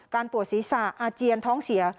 ปวดศีรษะอาเจียนท้องเสีย